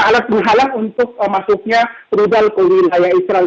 alat menghalang untuk masuknya perudal ke wilayah israel